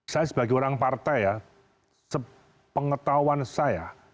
saya sebagai orang partai ya sepengetahuan saya